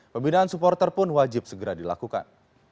pembinaan supporter pun wajib segera dilakukan